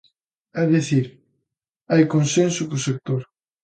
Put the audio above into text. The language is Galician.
É dicir, hai consenso co sector.